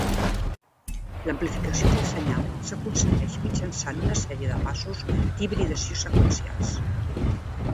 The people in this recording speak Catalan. L'amplificació del senyal s'aconsegueix mitjançant una sèrie de passos d'hibridació seqüencials.